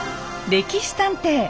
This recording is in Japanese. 「歴史探偵」。